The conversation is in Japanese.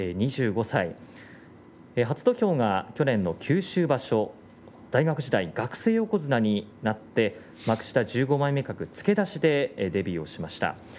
２５歳、初土俵は去年の九州場所大学時代、学生横綱になって幕下１５枚目格付け出しでデビューしました。